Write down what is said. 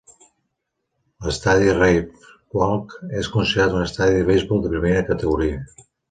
L'estadi Riverwalk és considerat un estadi de beisbol de primera categoria.